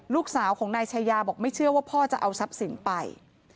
ลูกสาวของนายชายาบอกไม่เชื่อว่าพ่อจะเอาทรัพย์สินไป